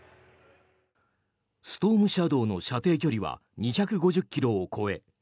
ストームシャドーの射程距離は２５０ｋｍを超え